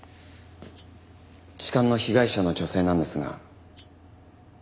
痴漢の被害者の女性なんですが。